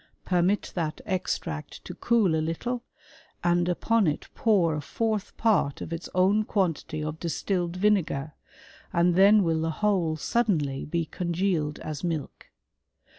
Permit that extract to cool a little, and upon it pour a fourth part of its own quantity of distilled vinegar, and then will the whole suddenly be congealed as milk.